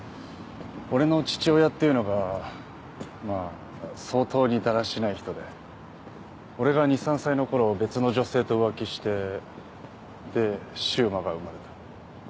俺の父親っていうのがまあ相当にだらしない人で俺が２３歳の頃別の女性と浮気してで柊磨が生まれた。